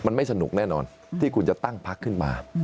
มันไม่สนุกแน่นอนที่คุณจะตั้งพักขึ้นมา